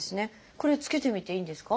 これ着けてみていいんですか？